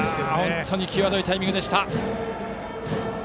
本当に際どいタイミングでした。